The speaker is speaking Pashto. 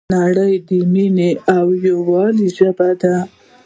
نړۍ د مینې او یووالي ژبه ده.